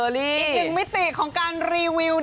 อีกหนึ่งมิติของการรีวิว